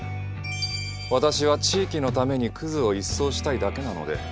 私は地域のためにクズを一掃したいだけなので。